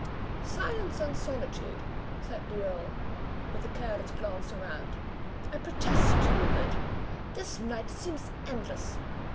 "Silence and solitude," said the earl, with a careless glance around, "I protest, Hubert, this night seems endless.